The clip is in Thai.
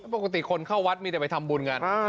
ปกติคนเข้าวัดมีแต่ไปทำบุญกัน